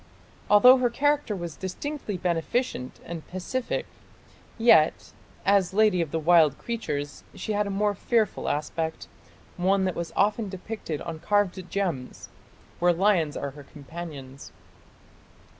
Although her character was distinctly beneficent and pacific, yet as Lady of the Wild Creatures she had a more fearful aspect, one that was often depicted on carved gems, where lions are her companions."